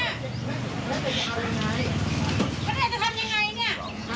ของอยู่ว่าเด็กมันไม่ค่อยเจอไม่ค่อยเจอคนอย่างนี้